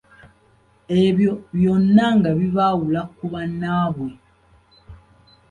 Ebyo byonna nga bibaawula ku bannaabwe.